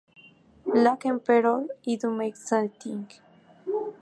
Black Emperor y Do Make Say Think.